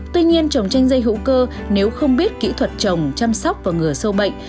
tuy nhiên chồng chanh dây hữu cơ nếu không biết kỹ thuật chồng chăm sóc và ngừa sâu bệnh